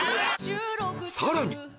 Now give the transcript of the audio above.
さらに